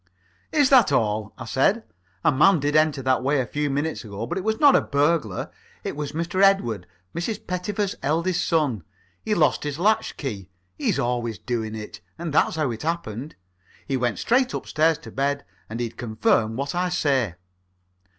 "Is that all?" I said. "A man did enter that way a few minutes ago, but it was not a burglar. It was Master Edward, Mrs. Pettifer's eldest son. He'd lost his latch key he's always doing it and that's how it happened. He went straight upstairs to bed, or he'd confirm what I say."